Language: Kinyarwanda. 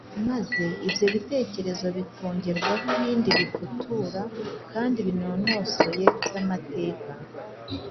maze ibyo bitekerezo bikongerwaho ibindi bifutura kandi binonosoye by’amateka